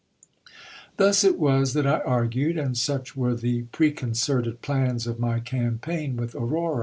Thus it was that I argued, and such were the preconcerted plans of my campaign with Aurora.